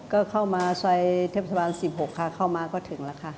ก็เข้ามาซอยเทศบาล๑๖ค่ะเข้ามาก็ถึงแล้วค่ะ